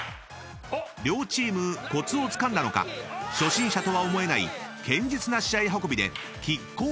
［両チームコツをつかんだのか初心者とは思えない堅実な試合運びで］